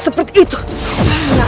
seperti itu seperti itu